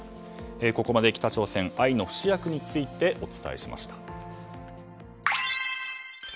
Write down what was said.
ここまで北朝鮮、愛の不死薬についてお伝えしました。